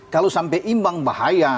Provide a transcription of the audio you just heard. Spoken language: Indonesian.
kalau sampai imbang bahaya